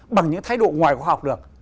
bằng những thái độ ngoài khoa học được